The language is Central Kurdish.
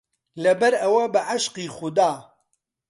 لەبەرئەوە بەعشقی خودا